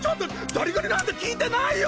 ザリガニなんて聞いてないよ！